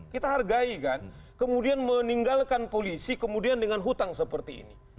kita hargai kan kemudian meninggalkan polisi kemudian dengan hutang seperti ini